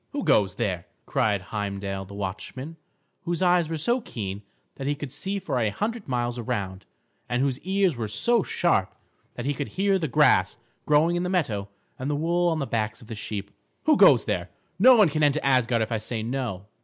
"Who goes there!" cried Heimdal the watchman, whose eyes were so keen that he could see for a hundred miles around, and whose ears were so sharp that he could hear the grass growing in the meadow and the wool on the backs of the sheep. "Who goes there! No one can enter Asgard if I say no."